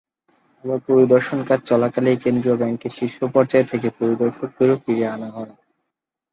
আবার পরিদর্শনকাজ চলাকালেই কেন্দ্রীয় ব্যাংকের শীর্ষ পর্যায় থেকে পরিদর্শকদেরও ফিরিয়ে আনা হয়।